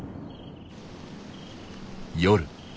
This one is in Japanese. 夜。